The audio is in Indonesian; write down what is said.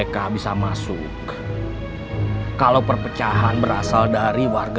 kita akan berubah